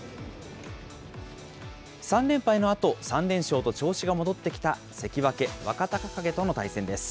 ３連敗のあと、３連勝と調子が戻ってきた関脇・若隆景との対戦です。